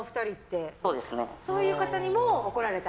そういう方にも怒られた？